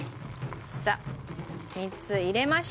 さあ３つ入れまして。